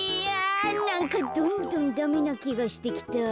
なんかどんどんダメなきがしてきた。